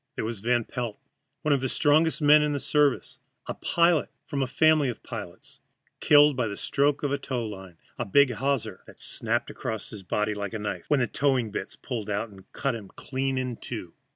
There was Van Pelt, one of the strongest men in the service a pilot from a family of pilots killed by the stroke of a tow line a big hawser that snapped across his body like a knife when the towing bitts pulled out, and cut him clean in two.